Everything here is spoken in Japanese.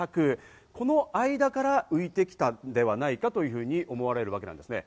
この間から浮いてきたのではないかというふうに思われるわけなんですね。